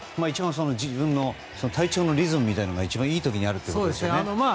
自分の体調のリズムが一番いい時にあるということですね。